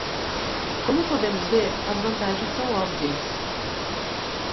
Como podemos ver, as vantagens são óbvias.